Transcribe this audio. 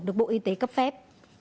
được bộ y tế cấp phép